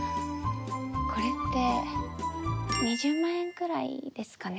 これって２０万円くらいですかね。